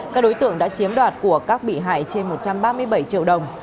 các đối tượng đã chiếm đoạt của các bị hại trên một trăm ba mươi bảy triệu đồng